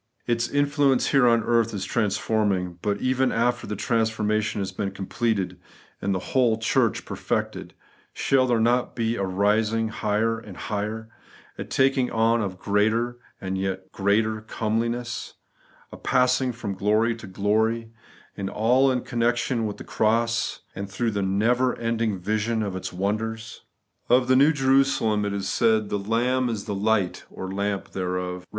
Its influence here on earth is transforming; but even after the transformation has been completed, and the whole church perfected, shall there not be a rising higher and higher, a taking on of greater and yet greater comeliness, a passing from glory to glory; and s31 in connection with the cross, and through the never ending vision of its wonders ? Of the new Jerusalem it is said, ' The Lamb is the light (or lamp) thereof (Eev.